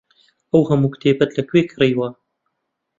ئەو هەموو کتێبەت لەکوێ کڕیوە؟